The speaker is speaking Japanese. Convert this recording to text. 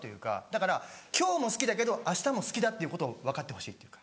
だから今日も好きだけどあしたも好きだっていうことを分かってほしいっていうか。